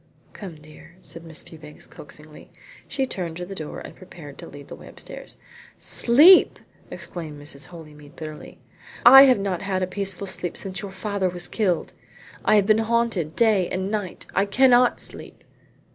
"Come, dear," said Miss Fewbanks coaxingly. She turned to the door and prepared to lead the way upstairs. "Sleep!" exclaimed Mrs. Holymead bitterly. "I have not had a peaceful sleep since your father was killed. I have been haunted day and night. I cannot sleep."